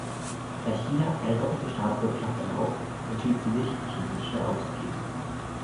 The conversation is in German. Da China keine doppelte Staatsbürgerschaft erlaubt, entschied sie sich, die chinesische aufzugeben.